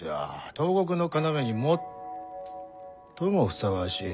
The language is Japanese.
東国の要に最もふさわしい。